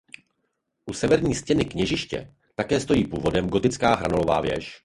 U severní stěny kněžiště také stojí původem gotická hranolová věž.